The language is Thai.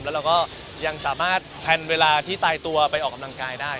แล้วเราก็ยังสามารถแทนเวลาที่ตายตัวไปออกกำลังกายได้